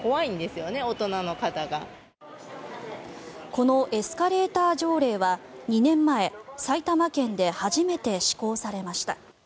このエスカレーター条例は２年前埼玉県で初めて施行されました。